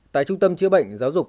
tại trung tâm chữa bệnh giáo dục